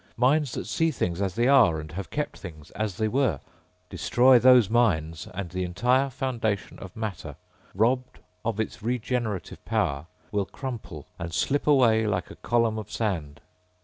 Minds that see things as they are and have kept things as they were.... Destroy those minds and the entire foundation of matter, robbed of its regenerative power, will crumple and slip away like a column of sand....